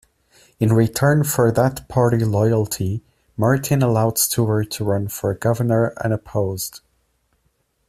In return for that party loyalty, Martin allowed Stuart to run for governor unopposed.